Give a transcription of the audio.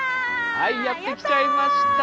はいやって来ちゃいました。